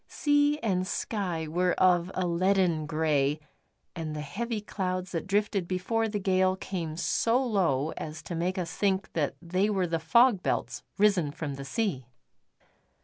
Sea and sky were of a leaden grey, and the heavy clouds that drifted before the gale came so low as to make us think that they were the fog belts risen from the sea.